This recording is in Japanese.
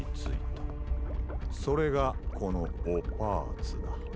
それがこのお・パーツだ。